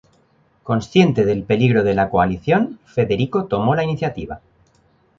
Consciente del peligro de la coalición, Federico tomó la iniciativa.